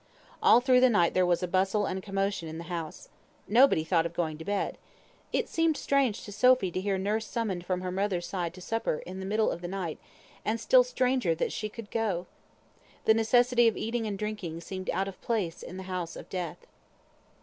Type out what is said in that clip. All through the night there was bustle and commotion in the house. Nobody thought of going to bed. It seemed strange to Sophy to hear nurse summoned from her mother's side to supper, in the middle of the night, and still stranger that she could go. The necessity of eating and drinking seemed out of place in the house of death.